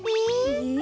え？